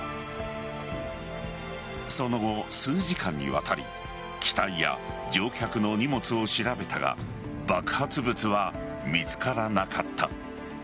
その後、数時間にわたり機体や乗客の荷物を調べたが爆発物は見つからなかった。